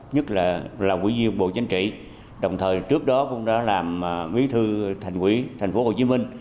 nhất là quỹ viên bộ chính trị đồng thời trước đó cũng đã làm bí thư thành ủy thành phố hồ chí minh